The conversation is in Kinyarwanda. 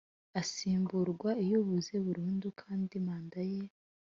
Asimburwa iyo abuze burundu kandi manda ye